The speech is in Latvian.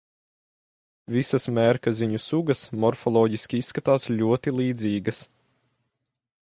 Visas mērkaziņu sugas morfoloģiski izskatās ļoti līdzīgas.